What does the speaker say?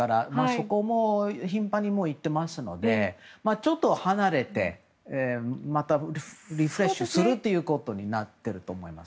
そこにも頻繁に行っていますのでちょっと離れてまたリフレッシュすることになってると。